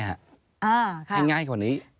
ให้ง่ายกว่านี้